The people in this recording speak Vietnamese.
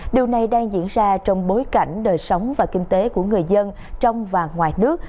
điều này đang diễn ra trong bối cảnh đời sống và kinh tế của người dân trong và ngoài nước